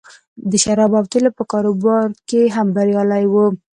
د شرابو او تیلو په کاروبار کې هم بریالی و